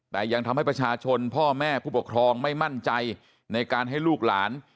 แต่ยังทำให้ประชาชนพ่อแม่ผู้ปกครองไม่มั่นใจในการให้ลูกหลาน